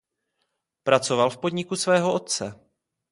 Pracoval v podniku svého otce.